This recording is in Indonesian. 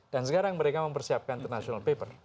dan sekarang mereka mempersiapkan international paper